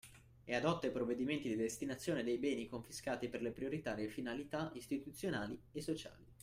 E adotta i provvedimenti di destinazione dei beni confiscati per le prioritarie finalità istituzionali e sociali